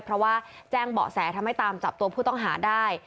เพราะว่าแจ้งเบาะแสทำให้ตามจับตัวผู้ต้องหาได้